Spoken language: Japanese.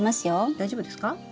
大丈夫ですか？